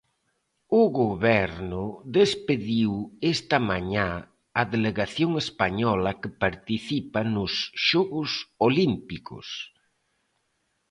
O Goberno despediu esta mañá a delegación española que participa nos xogos olímpicos.